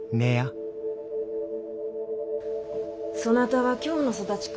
そなたは京の育ちか。